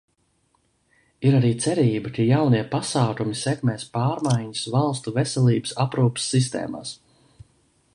Ir arī cerība, ka jaunie pasākumi sekmēs pārmaiņas valstu veselības aprūpes sistēmās.